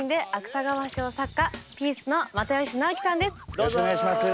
よろしくお願いします。